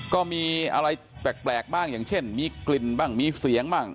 ก็มีอะไรแปลกบ้างอย่างเช่นมีกลิ่นบ้างมีเสียงบ้าง